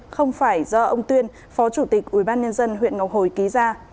không phải do ông tuyên phó chủ tịch ủy ban nhân dân huyện ngọc hồi ký ra